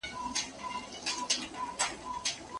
په ژوند کي هره ستونزه په اسانۍ سره هوارېدای سي.